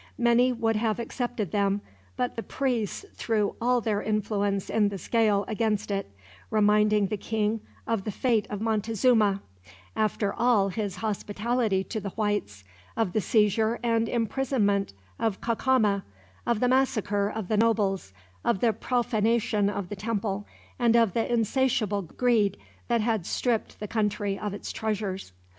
Many would have accepted them, but the priests threw all their influence in the scale against it; reminding the king of the fate of Montezuma, after all his hospitality to the Whites, of the seizure and imprisonment of Cacama, of the massacre of the nobles, of the profanation of the temple, and of the insatiable greed that had stripped the country of its treasures.